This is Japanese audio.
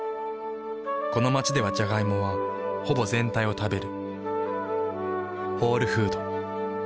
この街ではジャガイモはほぼ全体を食べる。